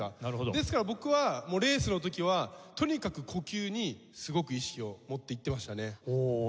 ですから僕はレースの時はとにかく呼吸にすごく意識を持っていってましたね。